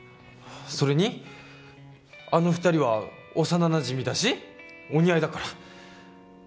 それにあの２人は幼なじみだしお似合いだから。